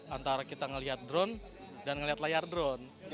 antara kita ngeliat drone dan ngelihat layar drone